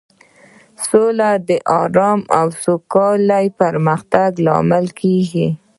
سوله د ارامۍ او سوکالۍ د پراختیا لامل کیږي.